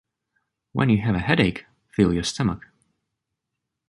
When you have a headache, fill your stomach.